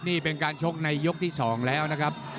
นี่เป็นการชกในยกที่๒แล้วนะครับ